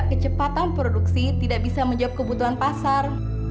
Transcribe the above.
kecepatan produksi tidak bisa menjawab kebutuhan pasar